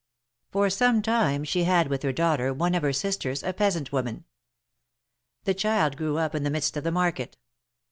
For some time she had with her the daughter of one of her sisters, a peasant woman. The child grew up in the midst of the market.